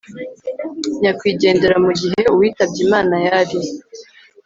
nyakwigendera mu gihe uwitabye imana yari